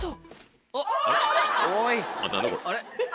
あれ？